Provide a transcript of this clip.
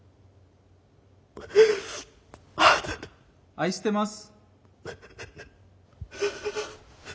愛してます。